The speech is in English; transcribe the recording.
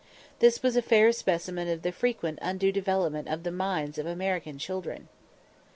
This was a fair specimen of the frequent undue development of the minds of American children.